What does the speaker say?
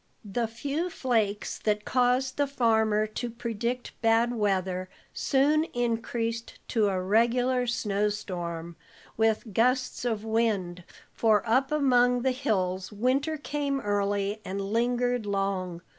The few flakes that caused the farmer to predict bad weather soon increased to a regular snow storm, with gusts of wind, for up among the hills winter came early and lingered long.